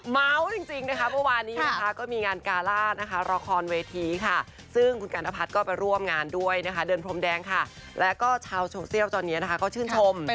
มาต่อกันที่ข่าวนี้กันบ้างลูกชายพี่แจ๊คคนนี้